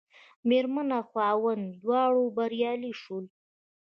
مېرمن او خاوند دواړه بریالي شول.